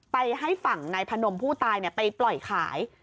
ไปให้ฝั่งนายพนมผู้ตายไปปล่อยขาย